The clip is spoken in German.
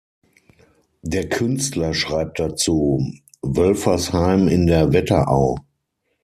Der Künstler schreibt dazu: „"Wölfersheim in der Wetterau.